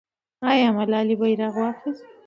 آیا ملالۍ بیرغ واخیست؟